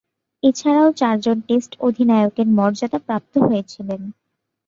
এছাড়াও, চারজন টেস্ট অধিনায়কের মর্যাদাপ্রাপ্ত হয়েছিলেন।